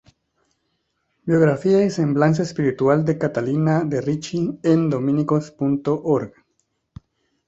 Biografía y semblanza espiritual de Catalina de Ricci en Dominicos.org